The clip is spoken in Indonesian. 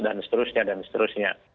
dan seterusnya dan seterusnya